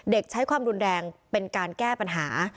ใช้ความรุนแรงเป็นการแก้ปัญหา